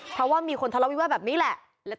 เพราะว่ามีคนทะเลาวิวาสแบบนี้แหละ